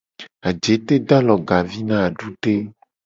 Ajete do alogavi na adude.